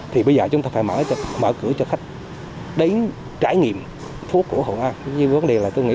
thì bây giờ chúng ta phải mở cửa cho khách đến trải nghiệm phố cổ hội an như vấn đề là tôi nghĩ